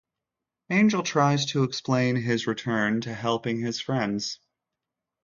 Angel tries to explain his return to helping his friends.